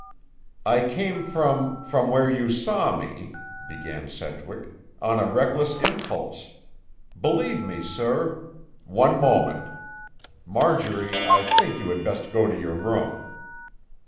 "I came from—from where you saw me," began Sedgwick, "on a reckless impulse. Believe me, sir—" "One moment! Marjorie, I think you had best go to your room."